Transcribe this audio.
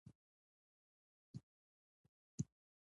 بیکاري د فقر لامل کیږي